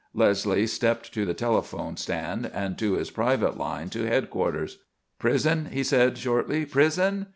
Leslie stepped to the telephone stand and to his private line to headquarters. "Prison," he said, shortly. "Prison?